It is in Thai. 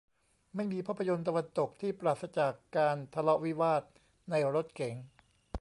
ไม่มีภาพยนตร์ตะวันตกที่ปราศจากการทะเลาะวิวาทในรถเก๋ง